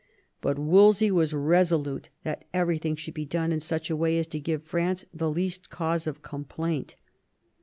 But Wolsey was resolute that everything should be done in such a way as to give France the least cause of com plaint.